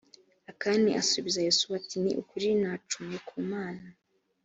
akani asubiza yosuwa ati ni ukuri nacumuye ku mana